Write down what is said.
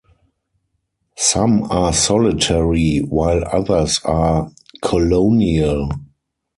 Some are solitary while others are colonial.